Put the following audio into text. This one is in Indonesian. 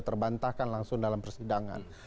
terbantahkan langsung dalam persidangan